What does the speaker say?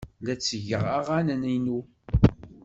La ttgeɣ aɣanen-inu.